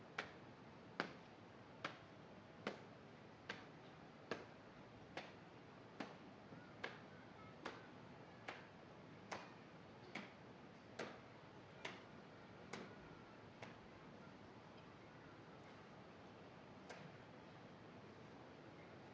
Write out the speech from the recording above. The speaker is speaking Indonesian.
laporan komandan upacara kepada inspektur upacara